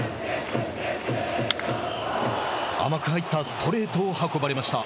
甘く入ったストレートを運ばれました。